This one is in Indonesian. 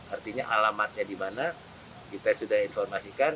artinya alamatnya di mana kita sudah informasikan